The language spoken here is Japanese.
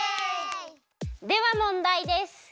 ではもんだいです。